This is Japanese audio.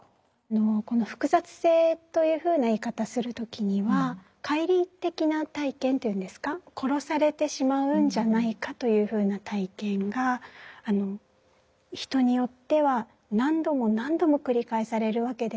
この「複雑性」というふうな言い方する時には解離的な体験というんですか殺されてしまうんじゃないかというふうな体験が人によっては何度も何度も繰り返されるわけですね。